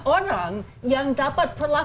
orang yang dapat berlaku